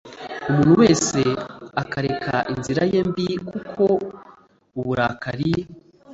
umuntu wese akareka inzira ye mbi kuko uburakari